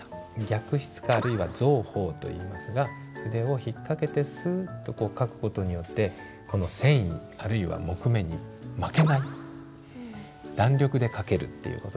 逆筆かあるいは蔵鋒といいますが筆を引っ掛けてスッと書く事によってこの繊維あるいは木目に負けない弾力で書けるっていう事なんですね。